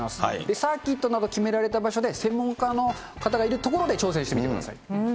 サーキットなど決められた場所で、専門家の方がいる所で挑戦してみてください。